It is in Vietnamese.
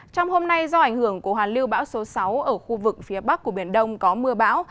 trong hôm nay do ảnh hưởng của hoàn lưu bão số sáu ở khu vực phía bắc của biển đông có mưa bão